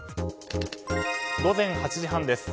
午前８時半です。